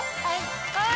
はい。